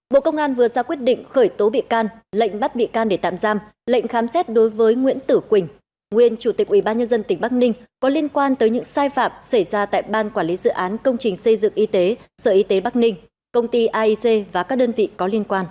bộ công an vừa ra quyết định khởi tố bị can lệnh bắt bị can để tạm giam lệnh khám xét đối với nguyễn tử quỳnh nguyên chủ tịch ubnd tỉnh bắc ninh có liên quan tới những sai phạm xảy ra tại ban quản lý dự án công trình xây dựng y tế sở y tế bắc ninh công ty aic và các đơn vị có liên quan